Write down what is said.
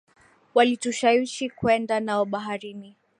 Walitushawishi kwenda nao baharini